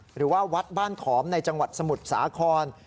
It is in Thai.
หรือว่าวัดบ้านขอมในจังหวัดสมุทรสาคร